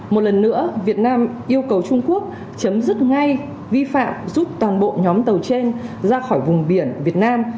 một lần nữa việt nam yêu cầu trung quốc chấm dứt ngay vi phạm rút toàn bộ nhóm tàu trên ra khỏi vùng biển việt nam